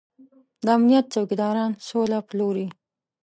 د امنيت څوکيداران سوله پلوري.